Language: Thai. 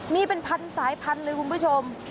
มีเป็นพันสายพันธุ์เลยคุณผู้ชม